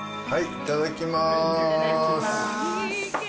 いただきます。